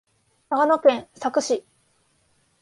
長野県佐久市